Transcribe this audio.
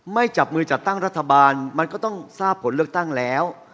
จับมือจัดตั้งรัฐบาลมันก็ต้องทราบผลเลือกตั้งแล้ว